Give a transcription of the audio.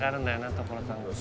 所さんは。